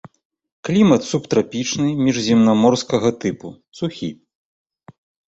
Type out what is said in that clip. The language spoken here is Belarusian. Клімат субтрапічны, міжземнаморскага тыпу, сухі.